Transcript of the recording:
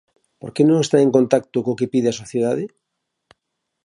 ¿Por que non están en contacto co que pide a sociedade?